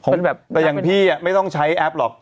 ผมแบบแต่อย่างพี่ไม่ต้องใช้แอปหรอก